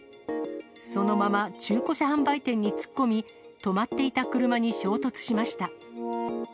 そのまま中古車販売店に突っ込み、止まっていた車に衝突しました。